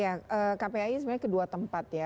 ya kpai sebenarnya kedua tempat ya